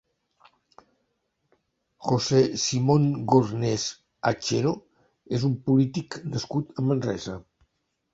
José Simón Gornés Hachero és un polític nascut a Manresa.